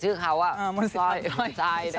ใจส่วน